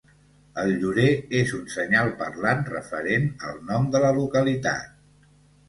El llorer és un senyal parlant referent al nom de la localitat.